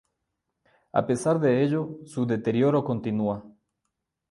A pesar de ello, su deterioro continúa.